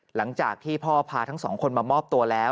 หลังจากที่พ่อพาทั้งสองคนมามอบตัวแล้ว